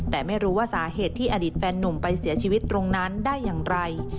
แต่ไม่รู้ว่าสาเหตุที่อดีตแฟนนุ่มไปเสียชีวิตตรงนั้นได้อย่างไร